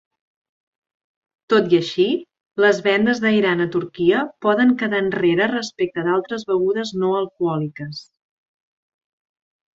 Tot i així, les vendes d'ayran a Turquia poden quedar enrere respecte d'altres begudes no alcohòliques.